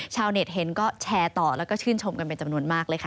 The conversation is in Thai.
ชาวเน็ตเห็นก็แชร์ต่อแล้วก็ชื่นชมกันเป็นจำนวนมากเลยค่ะ